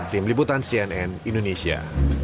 tim liputan cnn indonesia